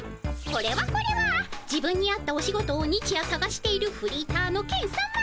これはこれは自分に合ったお仕事を日夜さがしているフリーターのケンさま。